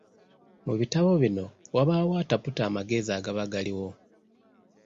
Mu bitabo bino wabaawo ataputa amagezi agaba galiwo.